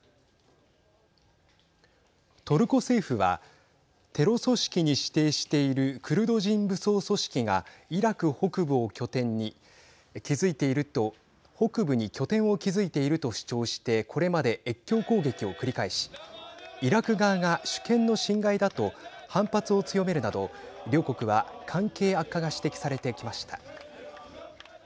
トルコ政府はテロ組織に指定しているクルド人武装組織がイラク北部を拠点に築いていると主張してこれまで越境攻撃を繰り返しイラク側が主権の侵害だと反発を強めるなど両国は関係悪化が指摘されてきました。